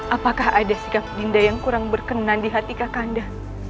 apakah ada sikap dinda yang kurang berkenan di hati kakak anda